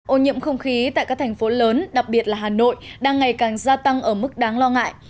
ô nhiễm không khí tại các thành phố lớn đặc biệt là hà nội đang ngày càng gia tăng ở mức đáng lo ngại